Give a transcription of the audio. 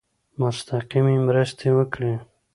مستقیمي مرستي وکړي.